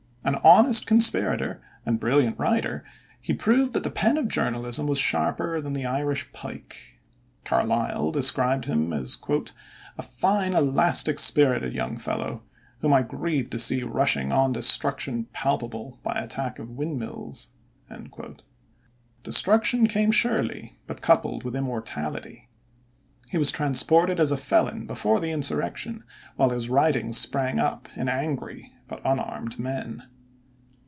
An honest conspirator and brilliant writer, he proved that the pen of journalism was sharper than the Irish pike. Carlyle described him as "a fine elastic spirited young fellow, whom I grieved to see rushing on destruction palpable, by attack of windmills." Destruction came surely, but coupled with immortality. He was transported as a felon before the insurrection, while his writings sprang up in angry but unarmed men.